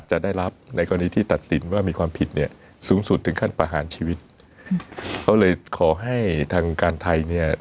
ขอให้ทางการไทยเนี่ย